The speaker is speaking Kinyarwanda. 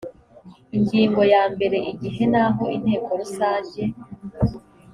ingingo ya mbere igihe n aho inteko rusange